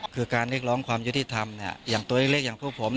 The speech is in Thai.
คือการเรียกร้องความยุติธรรมอย่างตัวเล็กอย่างพวกผม